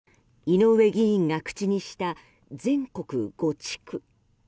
井上議員が口にした全国５地区。